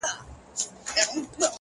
په تهمتونو کي بلا غمونو،